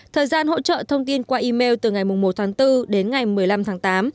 thời gian hỗ trợ thông tin qua email từ ngày một tháng bốn đến ngày một mươi năm tháng tám